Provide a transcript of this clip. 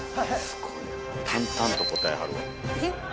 すごいな淡々と答えはるわ。